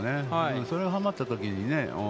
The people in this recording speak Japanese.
それがはまったときに。